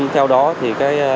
theo đó thì